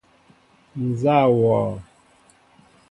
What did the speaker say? Nzá wɔɔ ?